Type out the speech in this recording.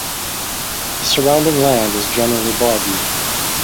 The surrounding land is generally boggy.